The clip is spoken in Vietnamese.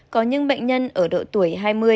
có những bệnh nhân ở độ tuổi hai mươi ba mươi